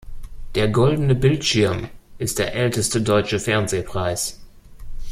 Der Goldene Bildschirm ist der älteste deutsche Fernsehpreis.